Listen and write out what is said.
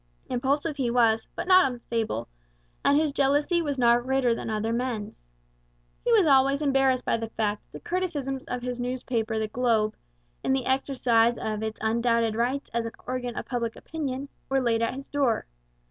Impulsive he was, but not unstable, and his jealousy was not greater than other men's. He was always embarrassed by the fact that the criticisms of his newspaper the Globe, in the exercise of its undoubted rights as an organ of public opinion, were laid at his door.